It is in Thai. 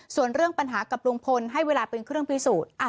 ส่วนเรื่องปัญหากับลุงพลให้เวลาเป็นเครื่องพิสูจน์